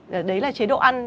đấy là chế độ ăn